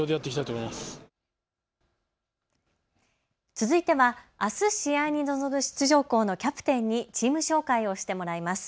続いては、あす試合に臨む出場校のキャプテンにチーム紹介をしてもらいます。